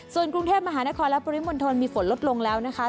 ส่วนกรุงเทพมหานครและปริมณฑลมีฝนลดลงแล้วนะคะ